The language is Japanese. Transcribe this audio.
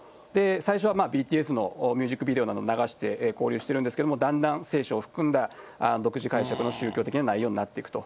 最初はＢＴＳのミュージックビデオなどを流して、交流してるんですけど、だんだん聖書を含んだ独自解釈の宗教的な内容になっていくと。